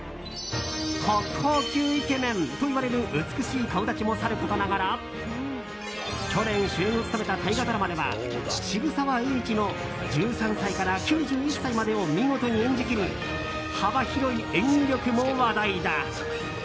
国宝級イケメンといわれる美しい顔立ちもさることながら去年、主演を務めた大河ドラマでは渋沢栄一の１３歳から９１歳までを見事に演じ切り幅広い演技力も話題だ。